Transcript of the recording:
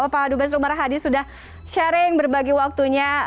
pak duba subarahadi sudah sharing berbagi waktunya